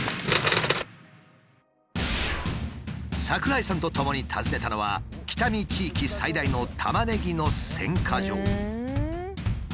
櫻井さんとともに訪ねたのは北見地域最大のタマネギの選果場。